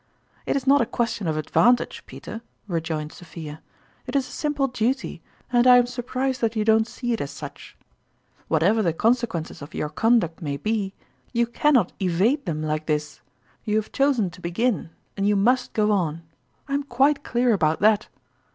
" It is not a question of advantage, Peter," rejoined Sophia ;" it is a simple duty, and I'm surprised that you don't see it as such. What 142 QTonrtnalitt'e ime ever the consequences of your conduct may be, you can not evade them like this ; you have chosen to begin, and you must go on ! I am quite clear about that.